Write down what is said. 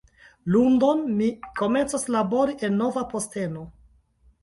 Lundon, mi komencos labori en nova posteno